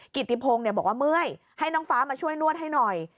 กิติพงศ์บอกว่าเมื่อยให้น้องฟ้ามาช่วยนวดให้หน่อย